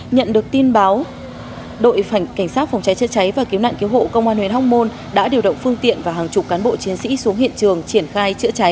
nhận được tin báo đội cảnh sát phòng cháy chữa cháy và cứu nạn cứu hộ công an huyện hóc môn đã điều động phương tiện và hàng chục cán bộ chiến sĩ xuống hiện trường triển khai chữa cháy